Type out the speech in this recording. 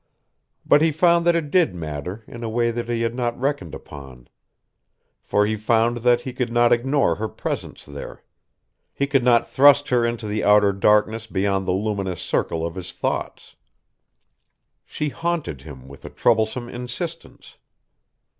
But he found that it did matter in a way that he had not reckoned upon. For he found that he could not ignore her presence there. He could not thrust her into the outer darkness beyond the luminous circle of his thoughts. She haunted him with a troublesome insistence.